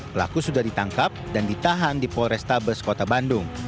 pelaku sudah ditangkap dan ditahan di polrestabes kota bandung